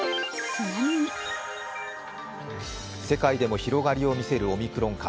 世界でも広がりを見せるオミクロン株。